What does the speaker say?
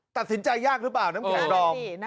ตัดสินใจยากหรือเปล่าน้ำแข็งดอม